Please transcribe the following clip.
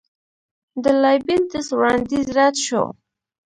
د لایبینټس وړاندیز رد شو.